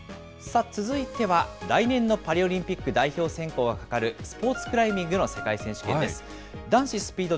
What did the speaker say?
さあ、続いては来年のパリオリンピック代表選考がかかる、スポーツクライミングの世界選手権です。